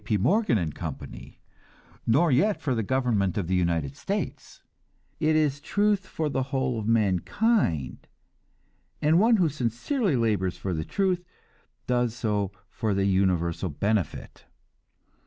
P. Morgan and Company, nor yet for the government of the United States; it is truth for the whole of mankind, and one who sincerely labors for the truth does so for the universal benefit.